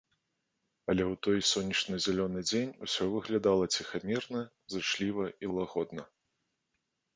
Але ў той сонечны зялёны дзень усё выглядала ціхамірна, зычліва і лагодна.